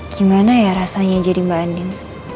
gimana ya rasanya jadi mbak andin